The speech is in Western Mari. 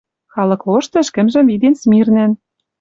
Халык лошты ӹшкӹмжӹм виден смирнӓн